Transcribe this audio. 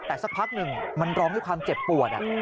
แต่สักพักหนึ่งมันร้องด้วยความเจ็บปวด